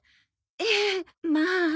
ええまあ。